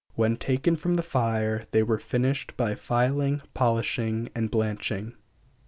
When taken from the fire they were finished by filing, polishing and blanching.